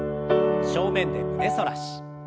正面で胸反らし。